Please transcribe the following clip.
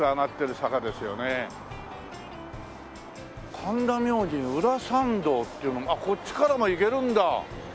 「神田明神裏参道」ってあっこっちからも行けるんだ。